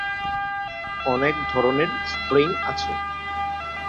অনেক ধরনের স্প্রিং আছে।